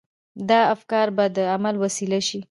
دا افکار به د عمل وسيله شي.